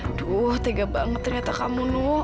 aduh tega banget ternyata kamu nunggu